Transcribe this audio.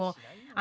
あ！